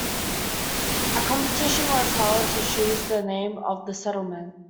A competition was held to choose the name of the settlement.